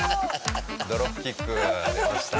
ドロップキック出ました。